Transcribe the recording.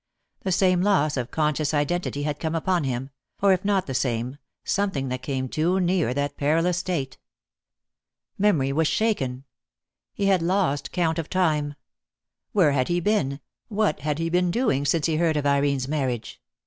The same loss of conscious identity had come upon him, or if not the same, something that came too near that perilous state. Memory was shaken. He had lost 2 86 DEAD LOVE HAS CHAINS. count of time. Where had he been, what had he been doing, since he heard of Irene's marriage?